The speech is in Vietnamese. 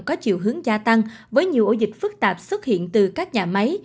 có chiều hướng gia tăng với nhiều ổ dịch phức tạp xuất hiện từ các nhà máy